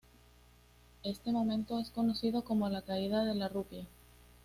Este momento es conocido como "la caída de la rupia".